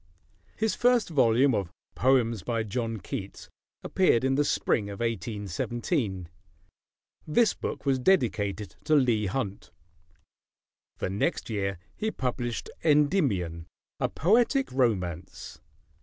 His first volume of "Poems by John Keats" appeared in the spring of 1817. This book was dedicated to Leigh Hunt. The next year he published "Endymion: A Poetic Romance."